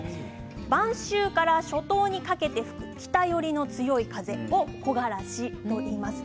晩秋から初冬にかけて吹く北寄りの強い風を木枯らしといいます。